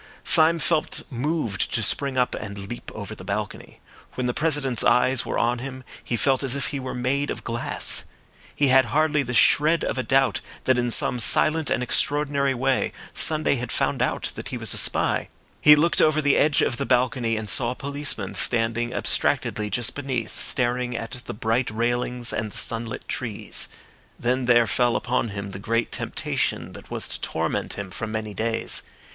Syme felt moved to spring up and leap over the balcony. When the President's eyes were on him he felt as if he were made of glass. He had hardly the shred of a doubt that in some silent and extraordinary way Sunday had found out that he was a spy. He looked over the edge of the balcony, and saw a policeman, standing abstractedly just beneath, staring at the bright railings and the sunlit trees. Then there fell upon him the great temptation that was to torment him for many days.